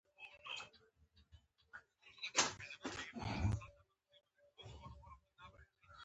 د نړۍ تر ټولو غوره لارښوونکې وي.